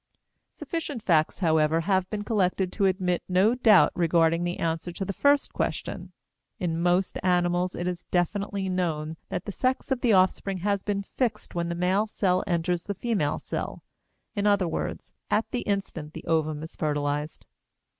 Sufficient facts, however, have been collected to admit no doubt regarding the answer to the first question. In most animals it is definitely known that the sex of the offspring has been fixed when the male cell enters the female cell, in other words, at the instant the ovum is fertilized.